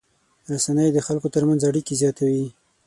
رسنۍ د خلکو تر منځ اړیکې زیاتوي.